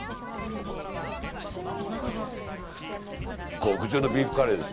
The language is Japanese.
極上のビーフカレーです。